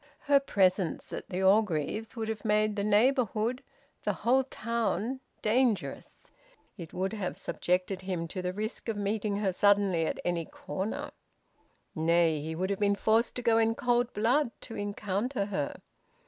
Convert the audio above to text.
Her presence at the Orgreaves' would have made the neighbourhood, the whole town, dangerous. It would have subjected him to the risk of meeting her suddenly at any corner. Nay, he would have been forced to go in cold blood to encounter her.